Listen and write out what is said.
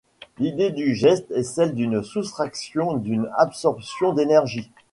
L'idée du geste est celle d'une soustraction, d'une absorption d énergie.